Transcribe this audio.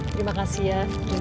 terima kasih ya